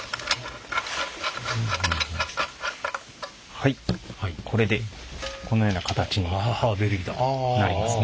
はいこれでこのような形になりますね。